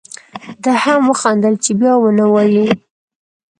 ده هم وخندل چې بیا و نه وایې.